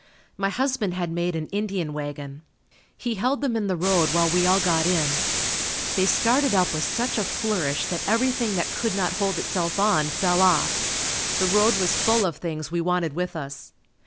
My husband had made an Indian wagon. He held them in the road while we all got in. They started up with such a flourish that everything that could not hold itself on, fell off. The road was full of things we wanted with us.